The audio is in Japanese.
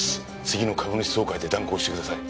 次の株主総会で断行してください。